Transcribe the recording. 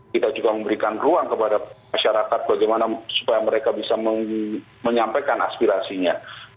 kita juga memberikan ruang kepada masyarakat bagaimana supaya mereka bisa menyampaikan aspirasinya